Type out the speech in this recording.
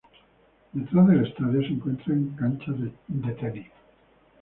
Detrás del estadio, se encuentran canchas de tenis.